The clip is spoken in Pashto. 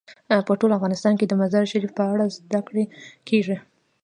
په ټول افغانستان کې د مزارشریف په اړه زده کړه کېږي.